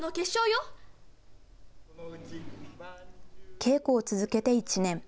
稽古を続けて１年。